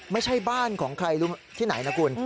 ไม่ใช่บ้านของใครที่ไหนนะคุณ